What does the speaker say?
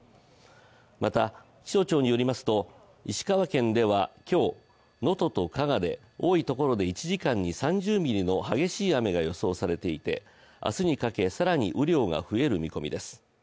また気象庁によりますと石川県では今日、能登と加賀で多いところで１時間い３０ミリの激しい雨が予想されていて明日にかけ更に雨量が増える見込みです。